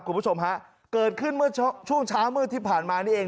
คุณผู้ชมฮะเกิดขึ้นเมื่อช่วงเช้ามืดที่ผ่านมานี่เอง